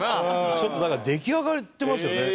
ちょっとだから出来上がってますよね。